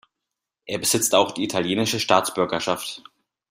Er besitzt auch die italienische Staatsbürgerschaft.